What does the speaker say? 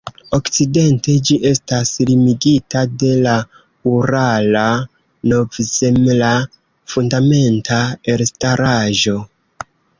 Okcidente ĝi estas limigita de la Urala-Novzemla fundamenta elstaraĵo.